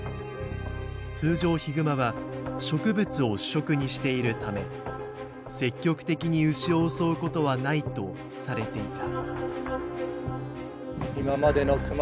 通常ヒグマは植物を主食にしているため積極的に牛を襲うことはないとされていた。